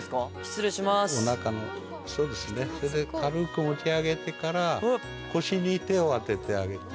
それで軽く持ち上げてから腰に手を当ててあげて。